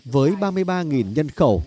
với ba mươi ba nhân khách